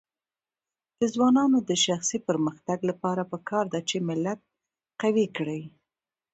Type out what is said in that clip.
د ځوانانو د شخصي پرمختګ لپاره پکار ده چې ملت قوي کړي.